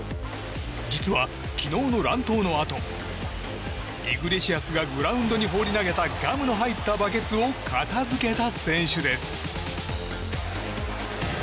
実は昨日の乱闘のあとイグレシアスがグラウンドに放り投げたガムの入ったバケツを片づけた選手です。